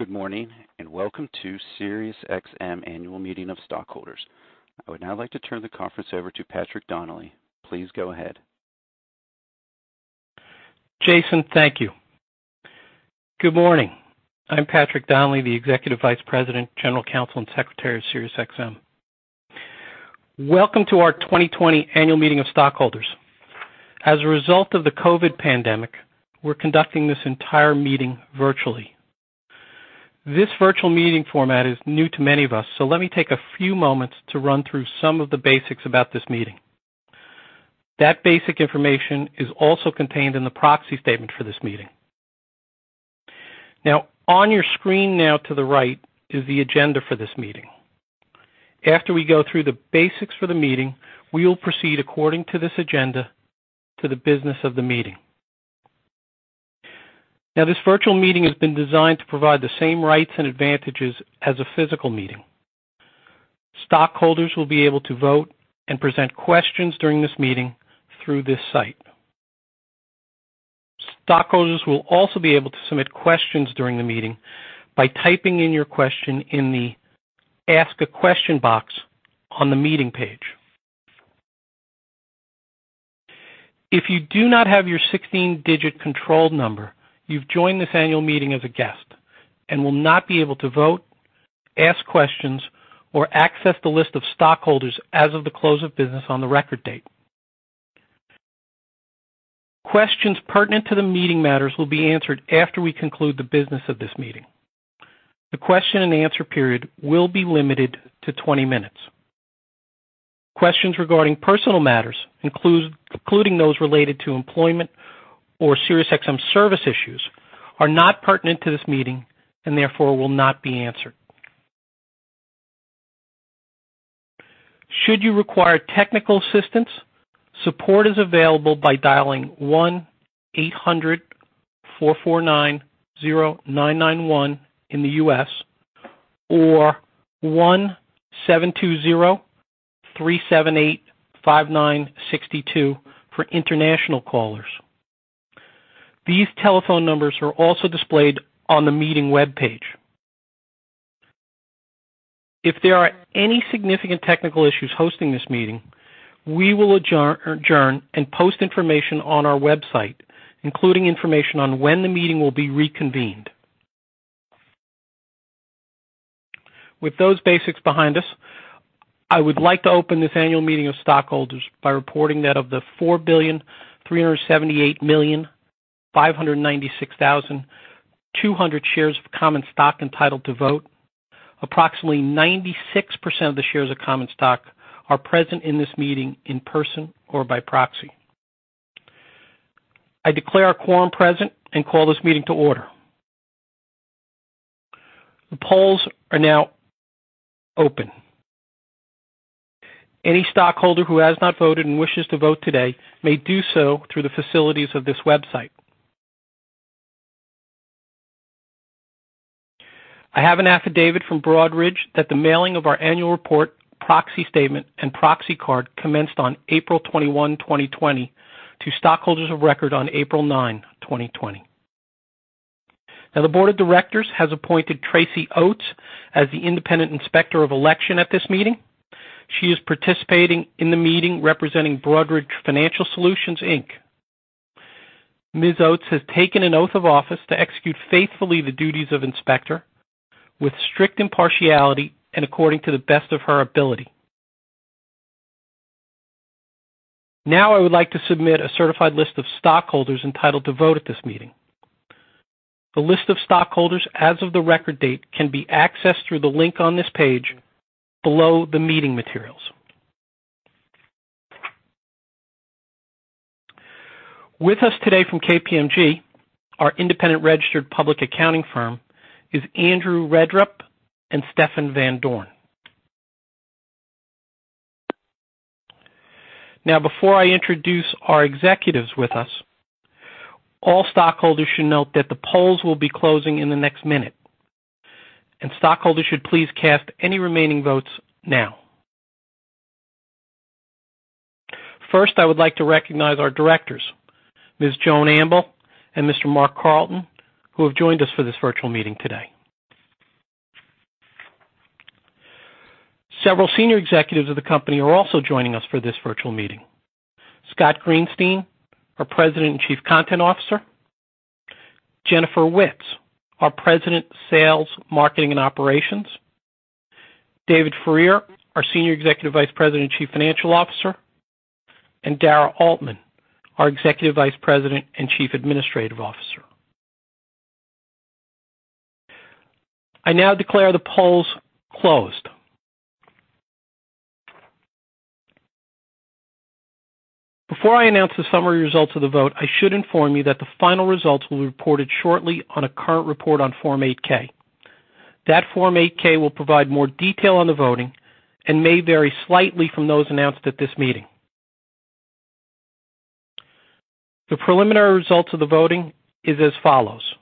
Good morning and welcome to SiriusXM annual meeting of stockholders. I would now like to turn the conference over to Patrick Donnelly. Please go ahead. Jason, thank you. Good morning. I'm Patrick Donnelly, the Executive Vice President, General Counsel, and Secretary of SiriusXM. Welcome to our 2020 annual meeting of stockholders. As a result of the COVID-19 pandemic, we're conducting this entire meeting virtually. This virtual meeting format is new to many of us, so let me take a few moments to run through some of the basics about this meeting. That basic information is also contained in the proxy statement for this meeting. Now, on your screen now to the right is the agenda for this meeting. After we go through the basics for the meeting, we will proceed according to this agenda to the business of the meeting. This virtual meeting has been designed to provide the same rights and advantages as a physical meeting. Stockholders will be able to vote and present questions during this meeting through this site. Stockholders will also be able to submit questions during the meeting by typing in your question in the "Ask a Question" box on the meeting page. If you do not have your 16-digit control number, you've joined this annual meeting as a guest and will not be able to vote, ask questions, or access the list of stockholders as of the close of business on the record date. Questions pertinent to the meeting matters will be answered after we conclude the business of this meeting. The question and answer period will be limited to 20 minutes. Questions regarding personal matters, including those related to employment or SiriusXM service issues, are not pertinent to this meeting and therefore will not be answered. Should you require technical assistance, support is available by dialing 1-800-449-0991 in the U.S. or 1-720-378-5962 for international callers. These telephone numbers are also displayed on the meeting web page. If there are any significant technical issues hosting this meeting, we will adjourn and post information on our website, including information on when the meeting will be reconvened. With those basics behind us, I would like to open this annual meeting of stockholders by reporting that of the 4,378,596,200 shares of common stock entitled to vote, approximately 96% of the shares of common stock are present in this meeting in person or by proxy. I declare our quorum present and call this meeting to order. The polls are now open. Any stockholder who has not voted and wishes to vote today may do so through the facilities of this website. I have an affidavit from Broadridge that the mailing of our annual report, proxy statement, and proxy card commenced on April 21, 2020, to stockholders of record on April 9, 2020. Now, the Board of Directors has appointed Tracy Oates as the independent inspector of election at this meeting. She is participating in the meeting representing Broadridge Financial Solutions, Inc. Ms. Oates has taken an oath of office to execute faithfully the duties of inspector with strict impartiality and according to the best of her ability. Now, I would like to submit a certified list of stockholders entitled to vote at this meeting. The list of stockholders as of the record date can be accessed through the link on this page below the meeting materials. With us today from KPMG, our independent registered public accounting firm, is Andrew Redrup and Stefan Van Doorn. Now, before I introduce our executives with us, all stockholders should note that the polls will be closing in the next minute, and stockholders should please cast any remaining votes now. First, I would like to recognize our directors, Ms. Joan Amble and Mr. Mark Carlton, who have joined us for this virtual meeting today. Several senior executives of the company are also joining us for this virtual meeting: Scott Greenstein, our President and Chief Content Officer; Jennifer Witz, our President, Sales, Marketing, and Operations; David Frear, our Senior Executive Vice President and Chief Financial Officer; and Dara Altman, our Executive Vice President and Chief Administrative Officer. I now declare the polls closed. Before I announce the summary results of the vote, I should inform you that the final results will be reported shortly on a current report on Form 8-K. That Form 8-K will provide more detail on the voting and may vary slightly from those announced at this meeting. The preliminary results of the voting are as follows: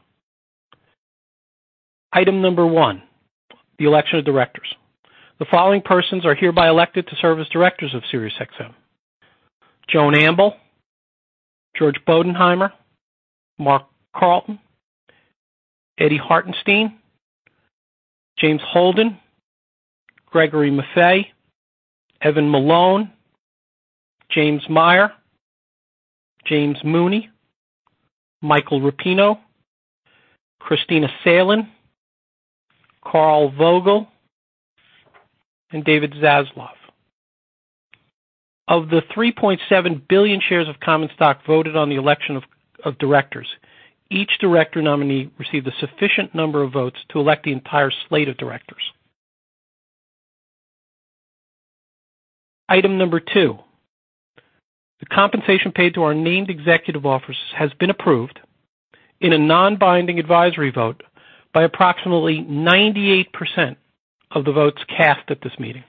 Item number one, the election of directors. The following persons are hereby elected to serve as directors of Sirius: Joan Amble, George Bodenheimer, Mark Carleton, Eddy Hartenstein, James Holden, Gregory Maffei, Evan Malone, James Meyer, James Mooney, Michael Rapino, Kristina Salen, Carl Vogel, and David Zaslav. Of the 3.7 billion shares of common stock voted on the election of directors, each director nominee received a sufficient number of votes to elect the entire slate of directors. Item number two, the compensation paid to our named executive officers has been approved in a non-binding advisory vote by approximately 98% of the votes cast at this meeting.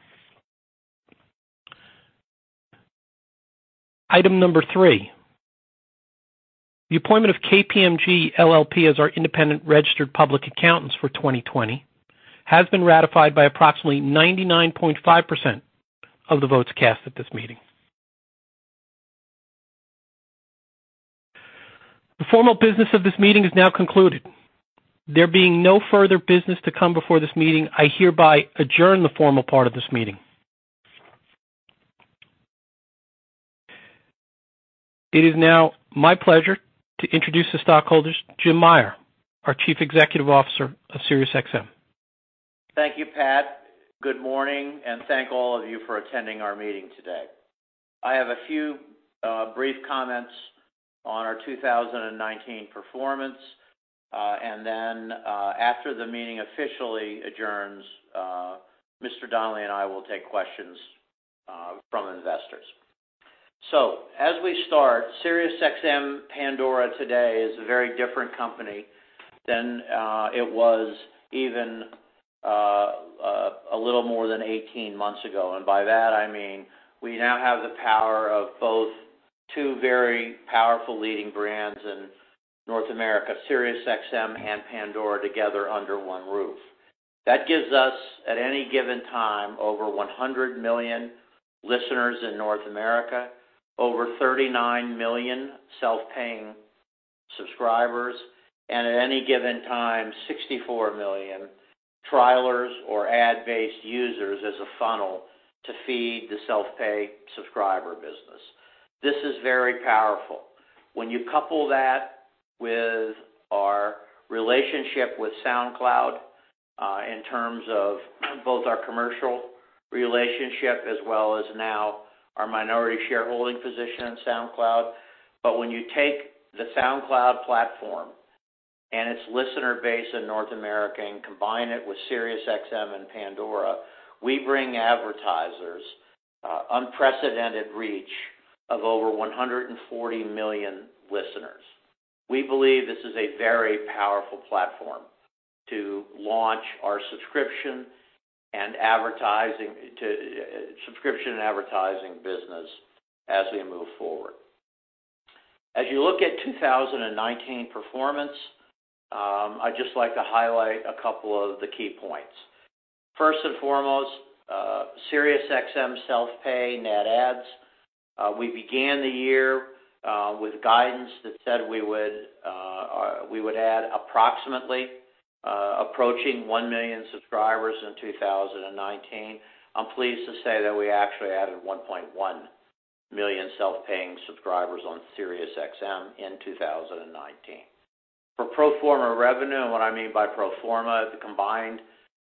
Item number three, the appointment of KPMG LLP as our independent registered public accountants for 2020 has been ratified by approximately 99.5% of the votes cast at this meeting. The formal business of this meeting is now concluded. There being no further business to come before this meeting, I hereby adjourn the formal part of this meeting. It is now my pleasure to introduce the stockholders, James Meyer, our Chief Executive Officer of SiriusXM. Thank you, Pat. Good morning, and thank all of you for attending our meeting today. I have a few brief comments on our 2019 performance, and then, after the meeting officially adjourns, Mr. Donnelly and I will take questions from investors. As we start, SiriusXM Pandora today is a very different company than it was even a little more than 18 months ago. By that, I mean we now have the power of two very powerful leading brands in North America, SiriusXM and Pandora, together under one roof. That gives us, at any given time, over 100 million listeners in North America, over 39 million self-paying subscribers, and at any given time, 64 million trialers or ad-based users as a funnel to feed the self-pay subscriber business. This is very powerful. When you couple that with our relationship with SoundCloud, in terms of both our commercial relationship as well as now our minority shareholding position in SoundCloud, when you take the SoundCloud platform and its listener base in North America and combine it with SiriusXM and Pandora, we bring advertisers unprecedented reach of over 140 million listeners. We believe this is a very powerful platform to launch our subscription and advertising business as we move forward. As you look at 2019 performance, I'd just like to highlight a couple of the key points. First and foremost, SiriusXM self-pay net ads. We began the year with guidance that said we would add approximately, approaching 1 million subscribers in 2019. I'm pleased to say that we actually added 1.1 million self-paying subscribers on SiriusXM in 2019. For pro forma revenue, and what I mean by pro forma, the combined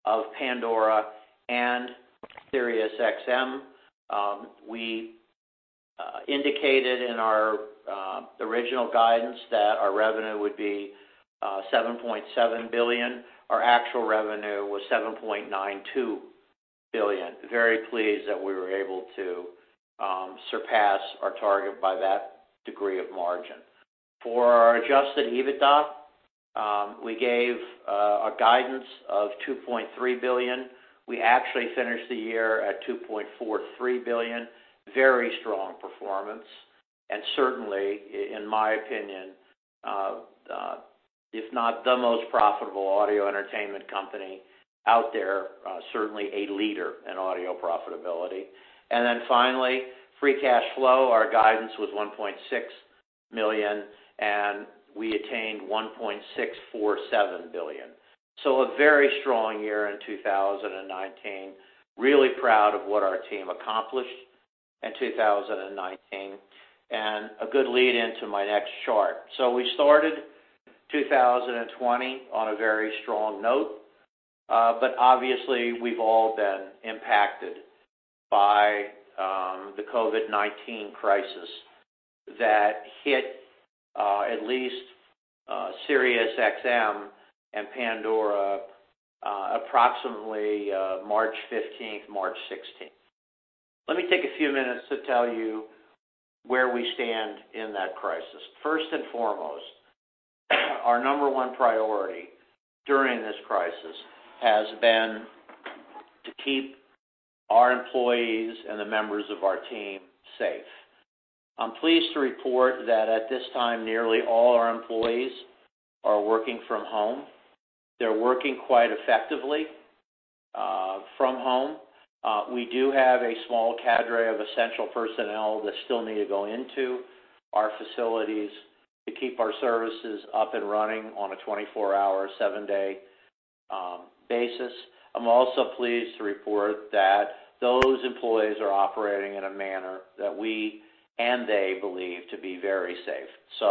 of Pandora and SiriusXM, we indicated in our original guidance that our revenue would be $7.7 billion. Our actual revenue was $7.92 billion. Very pleased that we were able to surpass our target by that degree of margin. For our adjusted EBITDA, we gave a guidance of $2.3 billion. We actually finished the year at $2.43 billion. Very strong performance. In my opinion, if not the most profitable audio entertainment company out there, certainly a leader in audio profitability. Finally, free cash flow, our guidance was $1.6 billion, and we attained $1.647 billion. A very strong year in 2019. Really proud of what our team accomplished in 2019. A good lead-in to my next chart. We started in 2020 on a very strong note. Obviously, we've all been impacted by the COVID-19 pandemic that hit, at least, SiriusXM and Pandora, approximately March 15th, March 16th. Let me take a few minutes to tell you where we stand in that crisis. First and foremost, our number one priority during this crisis has been to keep our employees and the members of our team safe. I'm pleased to report that at this time, nearly all our employees are working from home. They're working quite effectively from home. We do have a small cadre of essential personnel that still need to go into our facilities to keep our services up and running on a 24-hour, seven-day basis. I'm also pleased to report that those employees are operating in a manner that we and they believe to be very safe.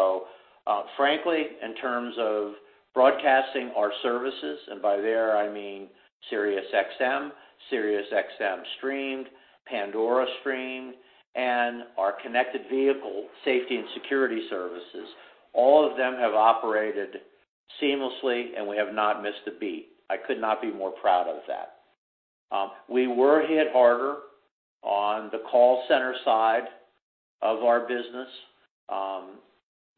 Frankly, in terms of broadcasting our services, and by that, I mean SiriusXM, SiriusXM Streamed, Pandora Streamed, and our connected vehicle safety and security services, all of them have operated seamlessly, and we have not missed a beat. I could not be more proud of that. We were hit harder on the call center side of our business.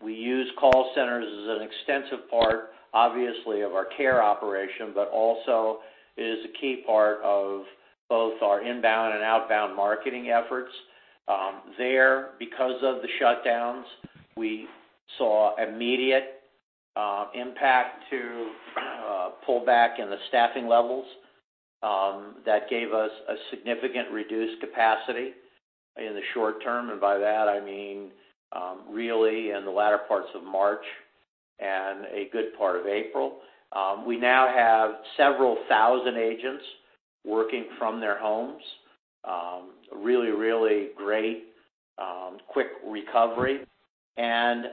We use call centers as an extensive part, obviously, of our care operation, but also as a key part of both our inbound and outbound marketing efforts. There, because of the shutdowns, we saw immediate impact to pull back in the staffing levels. That gave us a significant reduced capacity in the short term, and by that, I mean really in the latter parts of March and a good part of April. We now have several thousand agents working from their homes. Really, really great, quick recovery.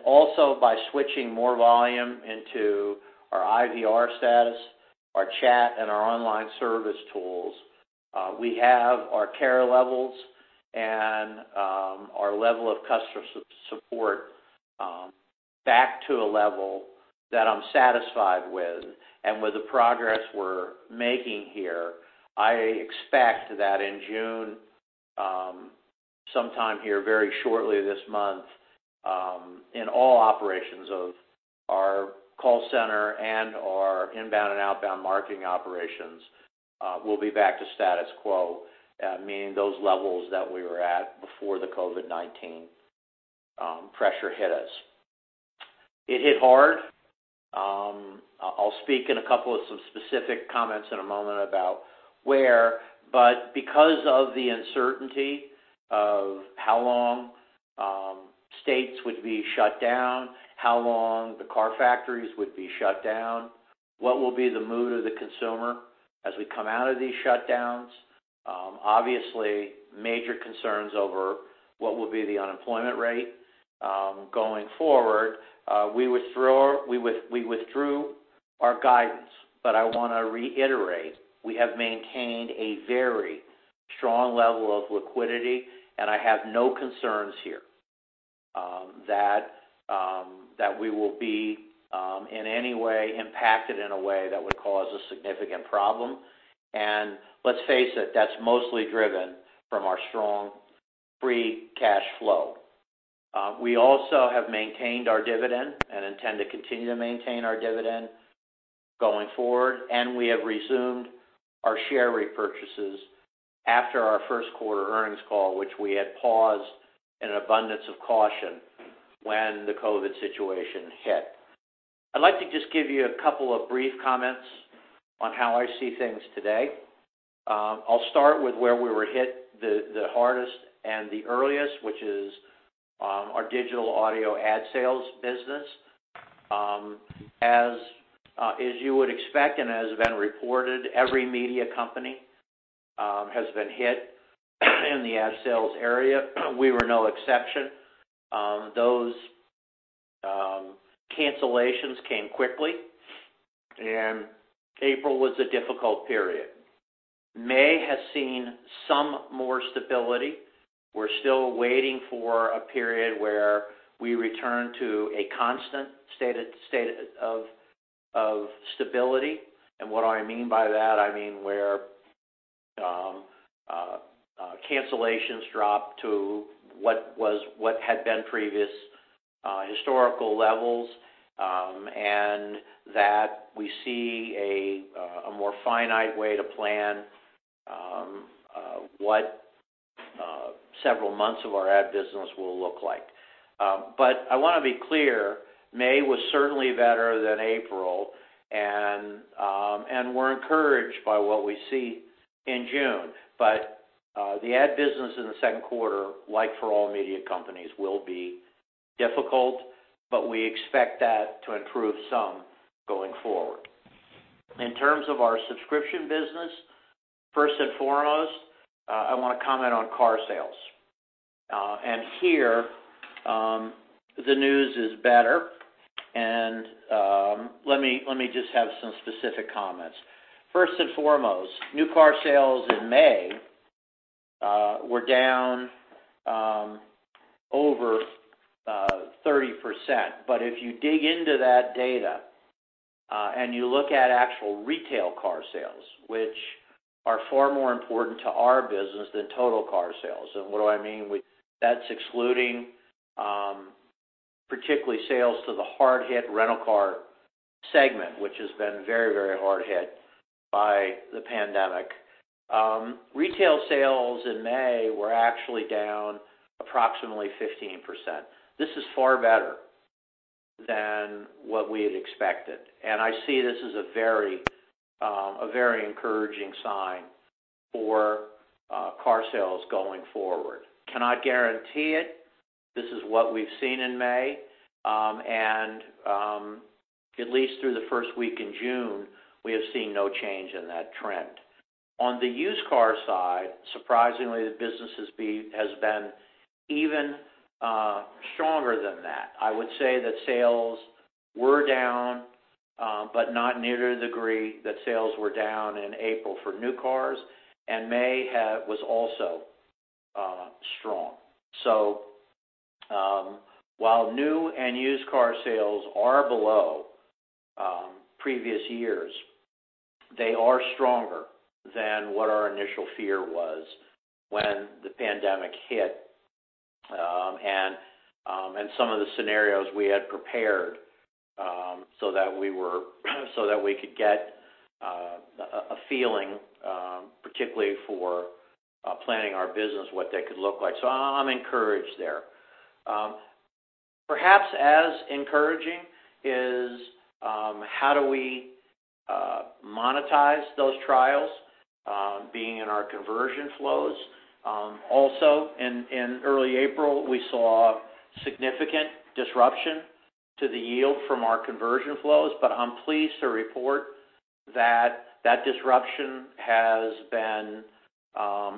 Also, by switching more volume into our IVR status, our chat, and our online service tools, we have our care levels and our level of customer support back to a level that I'm satisfied with. With the progress we're making here, I expect that in June, sometime here very shortly this month, in all operations of our call center and our inbound and outbound marketing operations, we'll be back to status quo, meaning those levels that we were at before the COVID-19 pandemic pressure hit us. It hit hard. I'll speak in a couple of some specific comments in a moment about where, but because of the uncertainty of how long states would be shut down, how long the car factories would be shut down, what will be the mood of the consumer as we come out of these shutdowns, obviously, major concerns over what will be the unemployment rate going forward, we withdrew our guidance. I want to reiterate, we have maintained a very strong level of liquidity, and I have no concerns here that we will be, in any way, impacted in a way that would cause a significant problem. Let's face it, that's mostly driven from our strong free cash flow. We also have maintained our dividend and intend to continue to maintain our dividend going forward, and we have resumed our share repurchases after our first quarter earnings call, which we had paused in an abundance of caution when the COVID-19 pandemic situation hit. I'd like to give you a couple of brief comments on how I see things today. I'll start with where we were hit the hardest and the earliest, which is our digital audio ad sales business. As you would expect and as has been reported, every media company has been hit in the ad sales area. We were no exception. Those cancellations came quickly, and April was a difficult period. May has seen some more stability. We're still waiting for a period where we return to a constant state of stability. What I mean by that is where cancellations drop to what had been previous historical levels, and that we see a more finite way to plan what several months of our ad business will look like. I want to be clear, May was certainly better than April, and we're encouraged by what we see in June. The ad business in the second quarter, like for all media companies, will be difficult, but we expect that to improve some going forward. In terms of our subscription business, first and foremost, I want to comment on car sales. Here, the news is better. Let me just have some specific comments. First and foremost, new car sales in May were down over 30%. If you dig into that data and you look at actual retail car sales, which are far more important to our business than total car sales—what do I mean? That's excluding, particularly, sales to the hard-hit rental car segment, which has been very, very hard hit by the pandemic. Retail sales in May were actually down approximately 15%. This is far better than what we had expected, and I see this as a very encouraging sign for car sales going forward. I cannot guarantee it. This is what we've seen in May, and at least through the first week in June, we have seen no change in that trend. On the used car side, surprisingly, the business has been even stronger than that. I would say that sales were down, but not near the degree that sales were down in April for new cars, and May was also strong. While new and used car sales are below previous years, they are stronger than what our initial fear was when the COVID-19 pandemic hit, and some of the scenarios we had prepared so that we could get a feeling, particularly for planning our business, what that could look like. I'm encouraged there. Perhaps as encouraging is, how do we monetize those trials, being in our conversion flows? Also, in early April, we saw significant disruption to the yield from our conversion flows, but I'm pleased to report that that disruption has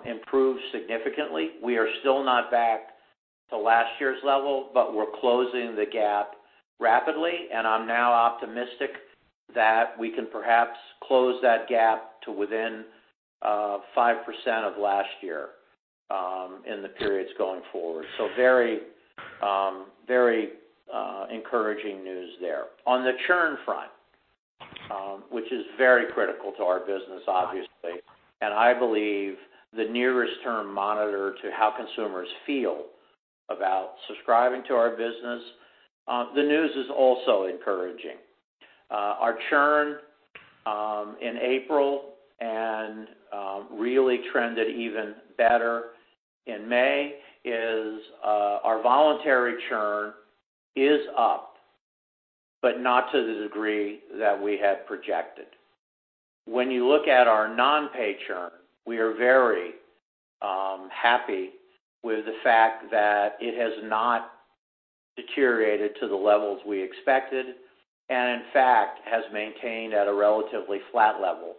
improved significantly. We are still not back to last year's level, but we're closing the gap rapidly, and I'm now optimistic that we can perhaps close that gap to within 5% of last year in the periods going forward. Very, very encouraging news there. On the churn front, which is very critical to our business, obviously, and I believe the nearest term monitor to how consumers feel about subscribing to our business, the news is also encouraging. Our churn in April and really trended even better in May. Our voluntary churn is up, but not to the degree that we had projected. When you look at our non-pay churn, we are very happy with the fact that it has not deteriorated to the levels we expected, and in fact, has maintained at a relatively flat level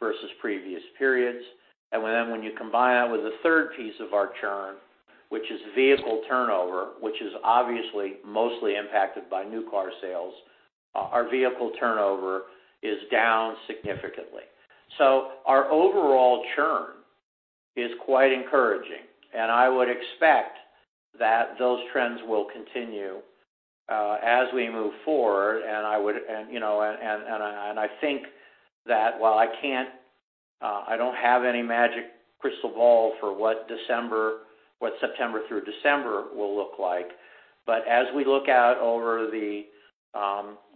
versus previous periods. When you combine that with the third piece of our churn, which is vehicle turnover, which is obviously mostly impacted by new car sales, our vehicle turnover is down significantly. Our overall churn is quite encouraging, and I would expect that those trends will continue as we move forward. I think that while I can't, I don't have any magic crystal ball for what September through December will look like, as we look out over the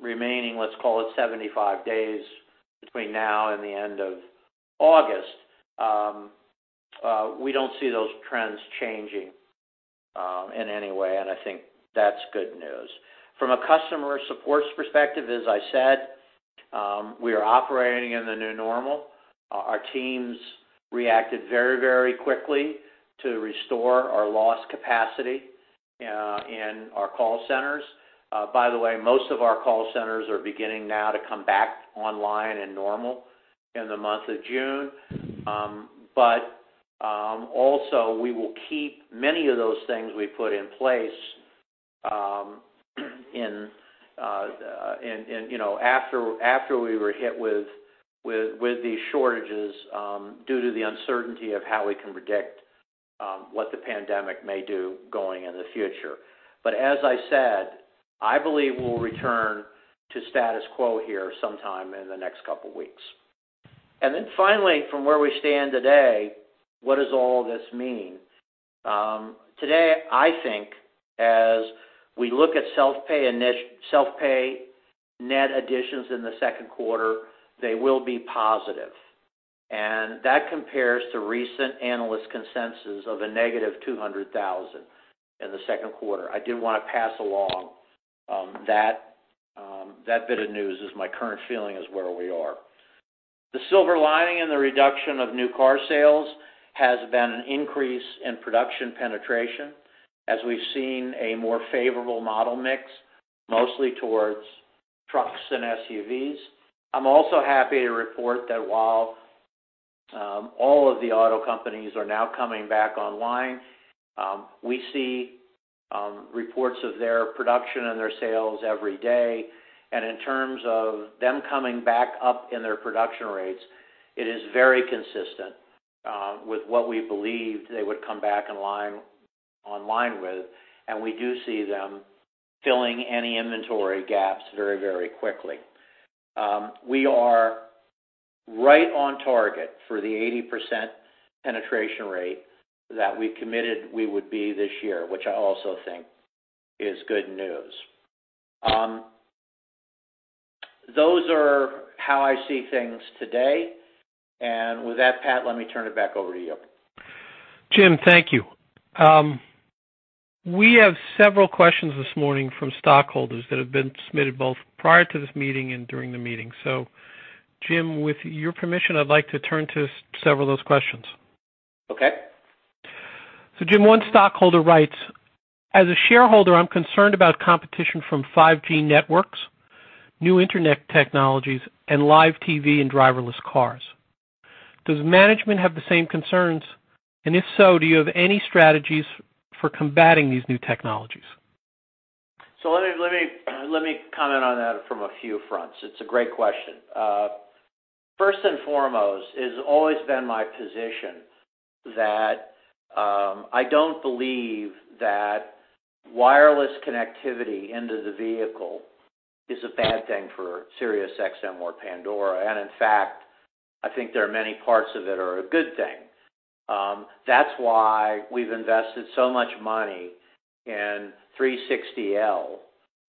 remaining, let's call it, 75 days between now and the end of August, we don't see those trends changing in any way, and I think that's good news. From a customer support perspective, as I said, we are operating in the new normal. Our teams reacted very, very quickly to restore our lost capacity in our call centers. By the way, most of our call centers are beginning now to come back online and normal in the month of June. We will keep many of those things we put in place after we were hit with these shortages, due to the uncertainty of how we can predict what the pandemic may do going in the future. As I said, I believe we'll return to status quo here sometime in the next couple of weeks. Finally, from where we stand today, what does all this mean? Today, I think as we look at self-pay net additions in the second quarter, they will be positive. That compares to recent analyst consensus of a negative 200,000 in the second quarter. I did want to pass along that bit of news, as my current feeling is where we are. The silver lining in the reduction of new car sales has been an increase in production penetration as we've seen a more favorable model mix, mostly towards trucks and SUVs. I'm also happy to report that while all of the auto companies are now coming back online, we see reports of their production and their sales every day. In terms of them coming back up in their production rates, it is very consistent with what we believed they would come back online with. We do see them filling any inventory gaps very, very quickly. We are right on target for the 80% penetration rate that we committed we would be this year, which I also think is good news. Those are how I see things today. With that, Pat, let me turn it back over to you. Jim, thank you. We have several questions this morning from stockholders that have been submitted both prior to this meeting and during the meeting. Jim, with your permission, I'd like to turn to several of those questions. Okay. Jim, one stockholder writes, "As a shareholder, I'm concerned about competition from 5G networks, new internet technologies, and live TV and driverless cars. Does management have the same concerns? If so, do you have any strategies for combating these new technologies? Let me comment on that from a few fronts. It's a great question. First and foremost, it's always been my position that I don't believe that wireless connectivity into the vehicle is a bad thing for SiriusXM or Pandora. In fact, I think there are many parts of it that are a good thing. That's why we've invested so much money in SiriusXM 360L,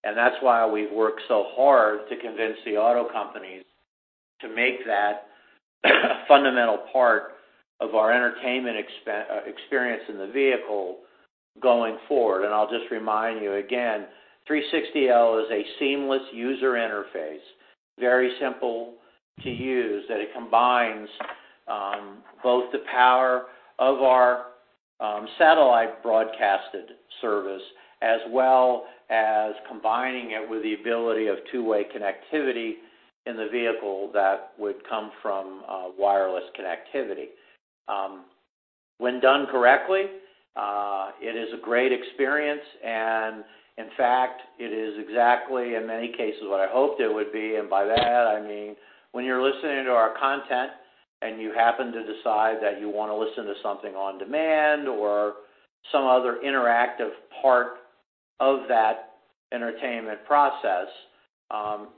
and that's why we've worked so hard to convince the auto companies to make that a fundamental part of our entertainment experience in the vehicle going forward. I'll just remind you again, SiriusXM 360L is a seamless user interface, very simple to use, that combines both the power of our satellite broadcasted service as well as combining it with the ability of two-way connectivity in the vehicle that would come from wireless connectivity. When done correctly, it is a great experience. In fact, it is exactly, in many cases, what I hoped it would be. By that, I mean when you're listening to our content and you happen to decide that you want to listen to something on demand or some other interactive part of that entertainment process,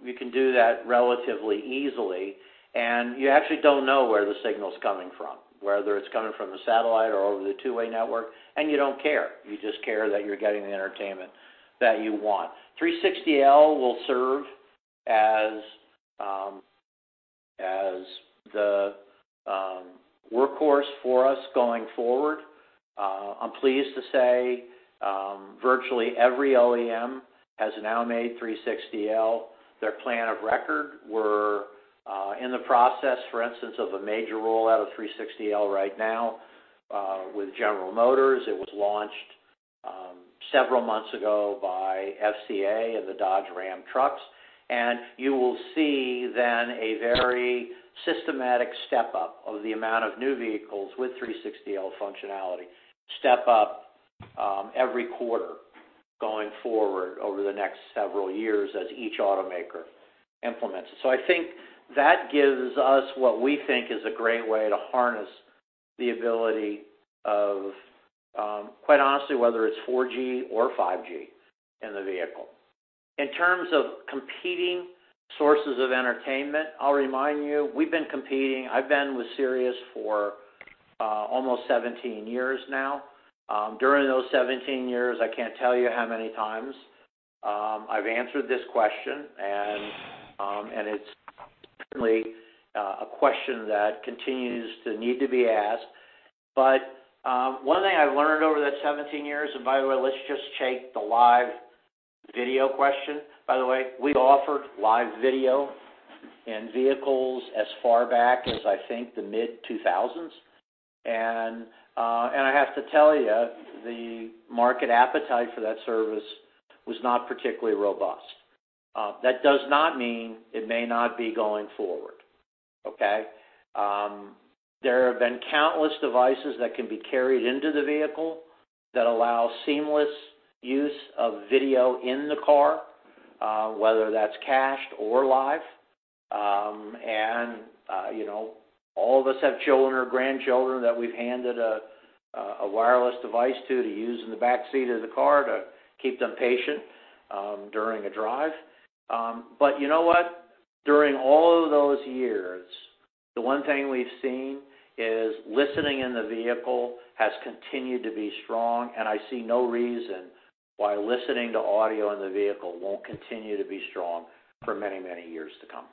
you can do that relatively easily. You actually don't know where the signal is coming from, whether it's coming from the satellite or over the two-way network, and you don't care. You just care that you're getting the entertainment that you want. SiriusXM 360L will serve as the workhorse for us going forward. I'm pleased to say virtually every OEM has now made SiriusXM 360L their plan of record. We're in the process, for instance, of a major rollout of SiriusXM 360L right now with General Motors. It was launched several months ago by FCA and the Dodge Ram trucks. You will see then a very systematic step-up of the amount of new vehicles with SiriusXM 360L functionality step up every quarter going forward over the next several years as each automaker implements it. I think that gives us what we think is a great way to harness the ability of, quite honestly, whether it's 4G or 5G in the vehicle. In terms of competing sources of entertainment, I'll remind you, we've been competing. I've been with SiriusXM for almost 17 years now. During those 17 years, I can't tell you how many times I've answered this question. It's certainly a question that continues to need to be asked. One thing I've learned over that 17 years, and by the way, let's just take the live video question. By the way, we offered live video in vehicles as far back as I think the mid-2000s. I have to tell you, the market appetite for that service was not particularly robust. That does not mean it may not be going forward. There have been countless devices that can be carried into the vehicle that allow seamless use of video in the car, whether that's cached or live. You know, all of us have children or grandchildren that we've handed a wireless device to use in the back seat of the car to keep them patient during a drive. You know what? During all of those years, the one thing we've seen is listening in the vehicle has continued to be strong, and I see no reason why listening to audio in the vehicle won't continue to be strong for many, many years to come.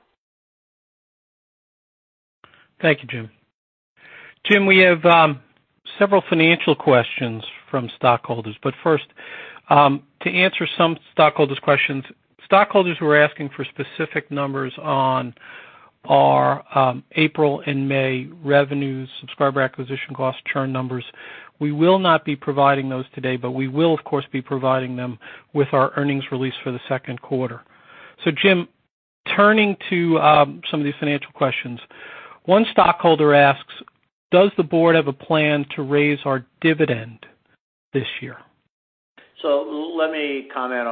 Thank you, Jim. Jim, we have several financial questions from stockholders. First, to answer some stockholders' questions, stockholders were asking for specific numbers on our April and May revenues, subscriber acquisition costs, churn numbers. We will not be providing those today. We will, of course, be providing them with our earnings release for the second quarter. Jim, turning to some of these financial questions, one stockholder asks, "Does the board have a plan to raise our dividend this year? Let me comment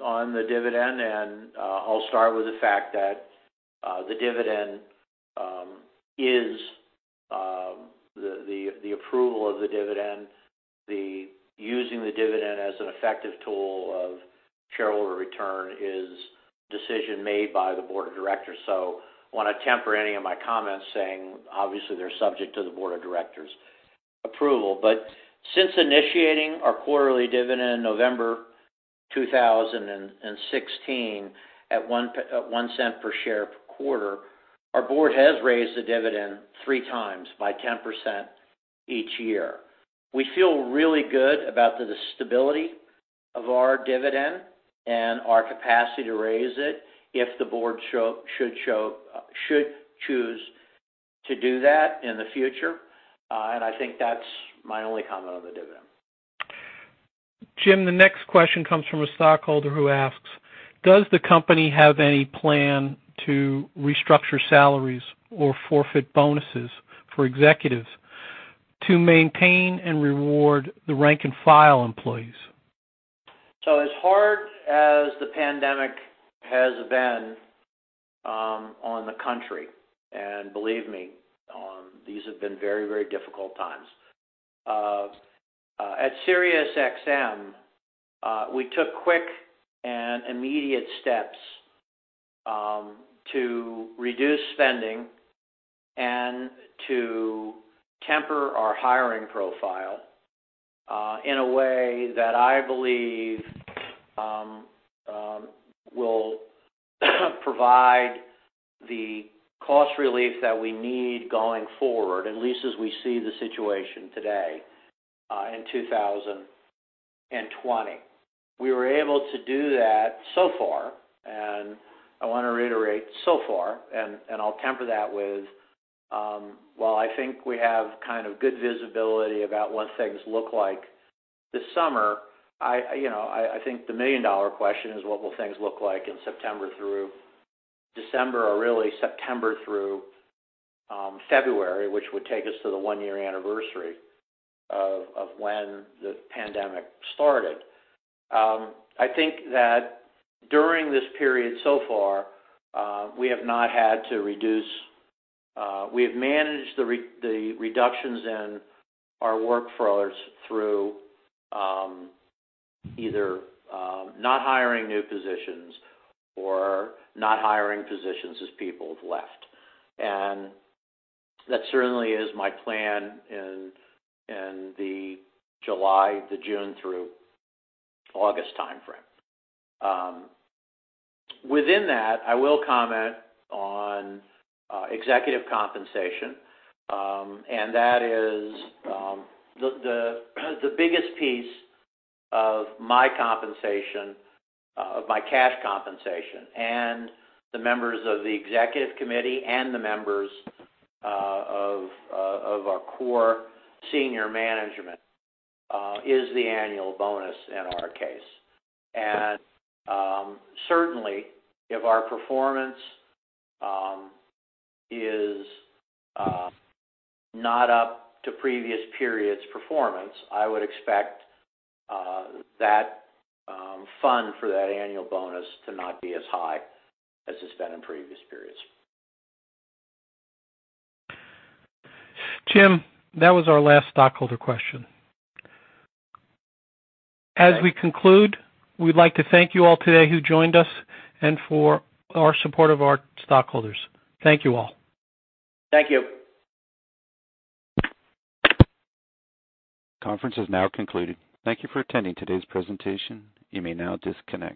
on the dividend. I'll start with the fact that the dividend, the approval of the dividend, the using the dividend as an effective tool of shareholder return is a decision made by the Board of Directors. I want to temper any of my comments saying, obviously, they're subject to the Board of Directors' approval. Since initiating our quarterly dividend in November 2016 at $0.01 per share per quarter, our Board has raised the dividend 3x by 10% each year. We feel really good about the stability of our dividend and our capacity to raise it if the Board should choose to do that in the future. I think that's my only comment on the dividend. Jim, the next question comes from a stockholder who asks, "Does the company have any plan to restructure salaries or forfeit bonuses for executives to maintain and reward the rank-and-file employees? As hard as the pandemic has been on the country, and believe me, these have been very, very difficult times. At SiriusXM, we took quick and immediate steps to reduce spending and to temper our hiring profile in a way that I believe will provide the cost relief that we need going forward, at least as we see the situation today in 2020. We were able to do that so far, and I want to reiterate, so far. I'll temper that with, while I think we have kind of good visibility about what things look like this summer, I think the million-dollar question is what will things look like in September through December, or really September through February, which would take us to the one-year anniversary of when the pandemic started. During this period so far, we have not had to reduce, we have managed the reductions in our workforce through either not hiring new positions or not hiring positions as people have left. That certainly is my plan in the June through August timeframe. Within that, I will comment on executive compensation, and that is the biggest piece of my compensation, of my cash compensation. The members of the executive committee and the members of our core senior management, is the annual bonus in our case. Certainly, if our performance is not up to previous periods' performance, I would expect that fund for that annual bonus to not be as high as it's been in previous periods. Jim, that was our last stockholder question. As we conclude, we'd like to thank you all today who joined us and for your support of our stockholders. Thank you all. Thank you. Conference is now concluded. Thank you for attending today's presentation. You may now disconnect.